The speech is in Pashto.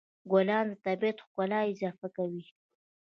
ګلان د طبیعت ښکلا اضافه کوي.